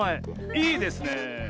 いいですねえ。